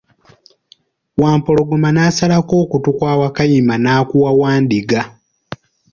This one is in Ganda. Wampologoma nasalako okuttu kwa Wakayima n'akuwa wandiga.